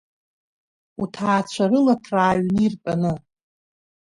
Уҭаацәа рыла ҭраа аҩны иртәаны…